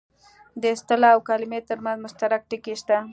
د اصطلاح او کلمې ترمنځ مشترک ټکي شته